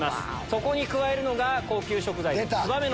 そこに加えるのが高級食材の。